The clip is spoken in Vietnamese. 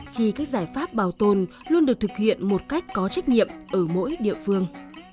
khi các giải pháp bảo tồn luôn được thực hiện một cách có trách nhiệm ở mỗi địa phương